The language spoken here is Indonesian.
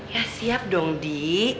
ya siap dong di